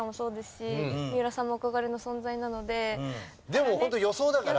でもホント予想だから。